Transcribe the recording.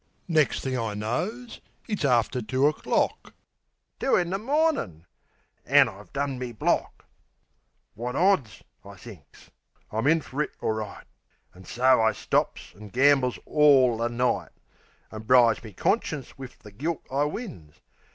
Nex' thing I knows it's after two o'clock Two in the mornin'! An' I've done me block! "Wot odds?" I thinks. "I'm in fer it orright." An' so I stops an' gambles orl the night; An' bribes me conscience wiv the gilt I wins.